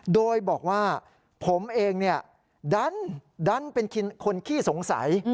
โดยบอกว่าผมเองดันเป็นคนขี้สงสัย